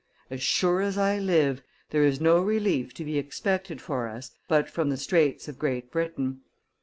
As sure as I live, there is no relief to be expected for us but from the straits of Great Britain.